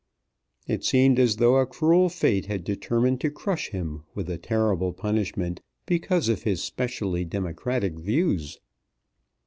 It seemed as though a cruel fate had determined to crush him with a terrible punishment because of his specially democratic views!